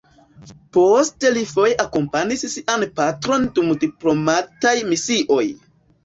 Poste li foje akompanis sian patron dum diplomataj misioj.